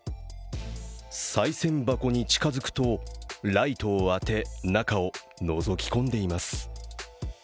さい銭箱に近付くと、ライトを当て、中をのぞき込んでいます。